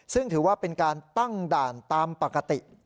ซึ่งถือว่าเป็นการตั้งด่านตามปกติ